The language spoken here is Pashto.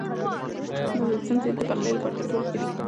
د زیتون تېل د پخلي لپاره تر ټولو ښه دي.